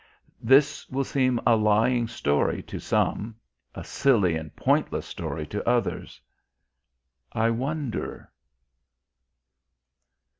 This will seem a lying story to some, a silly and pointless story to others. I wonder....